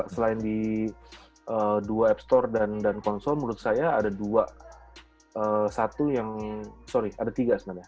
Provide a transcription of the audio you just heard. selain di dua app store dan konsol menurut saya ada dua satu yang sorry ada tiga sebenarnya